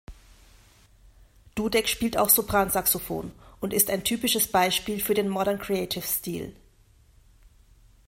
Dudek spielt auch Sopransaxophon und ist ein typisches Beispiel für den Modern Creative Stil.